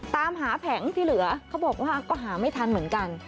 ตามหาแผงที่เหลือเขาบอกว่าก็หาไม่ทันเหมือนกัน